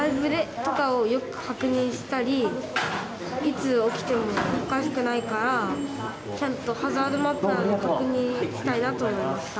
よく確認したりいつ起きてもおかしくないからちゃんとハザードマップなども確認したいなと思いました。